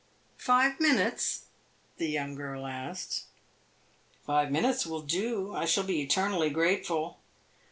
"Five minutes?" the young girl asked. "Five minutes will do. I shall be eternally grateful."